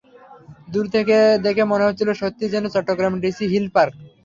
দূর থেকে দেখে মনে হচ্ছিল, সত্যি যেন চট্টগ্রামের ডিসি হিল পার্ক।